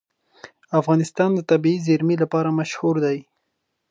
افغانستان د طبیعي زیرمې لپاره مشهور دی.